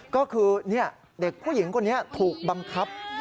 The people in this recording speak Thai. ก็คือเด็กผู้หญิงคนนี้ถูกบังคับ